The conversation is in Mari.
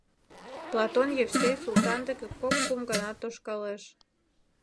— Платон Евсей Султан деке кок-кум гана тошкалеш.